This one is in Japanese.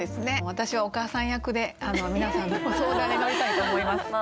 私はお母さん役で皆さんのご相談に乗りたいと思います。